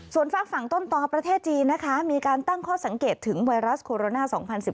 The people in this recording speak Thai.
ส่วนฝากฝั่งต้นตอประเทศจีนนะคะมีการตั้งข้อสังเกตถึงไวรัสโคโรนา๒๐๑๙